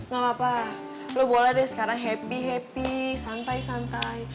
gak apa apa lo boleh deh sekarang happy happy santai santai